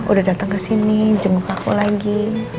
udah datang ke sini jenguk aku lagi